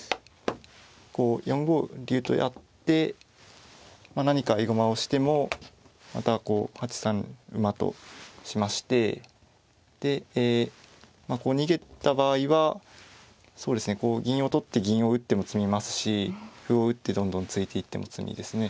こう４五竜とやって何か合駒をしてもまたこう８三馬としましてでえこう逃げた場合はそうですねこう銀を取って銀を打っても詰みますし歩を打ってどんどん突いていっても詰みですね。